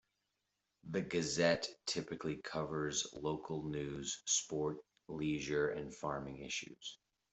The "Gazette" typically covers local news, sport, leisure and farming issues.